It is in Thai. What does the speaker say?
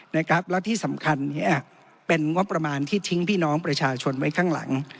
และที่สำคัญเป็นงบประมาณที่ทิ้งพี่น้องประชาชนไว้ข้างหลัง